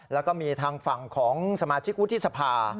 แล้วก็มีทางฝั่งของสมาชิกวุฒิสภา